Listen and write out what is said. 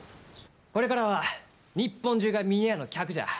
これからは日本中が峰屋の客じゃ。